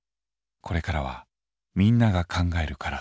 これからはみんなが考えるカラス。